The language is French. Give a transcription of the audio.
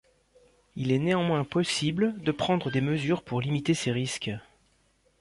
Il est néanmoins possible de prendre des mesures pour limiter ces risques.